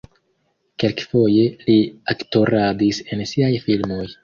Kelkfoje li aktoradis en siaj filmoj.